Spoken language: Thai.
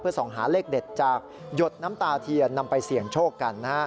ส่องหาเลขเด็ดจากหยดน้ำตาเทียนนำไปเสี่ยงโชคกัน